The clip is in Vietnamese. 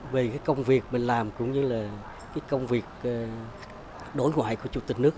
về cái công việc mình làm cũng như là cái công việc đối ngoại của chủ tịch nước